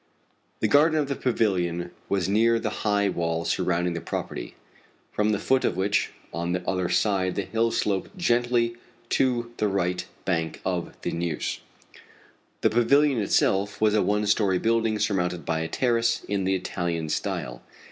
The garden of the pavilion was near the high wall surrounding the property, from the foot of which on the other side the hill sloped gently to the right bank of the Neuse. The pavilion itself was a one story building surmounted by a terrace in the Italian style.